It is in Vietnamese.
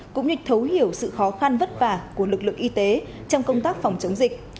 cũng như thấu hiểu sự khó khăn vất vả của lực lượng y tế trong công tác phòng chống dịch